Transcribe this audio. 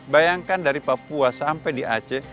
bayangkan dari papua sampai di aceh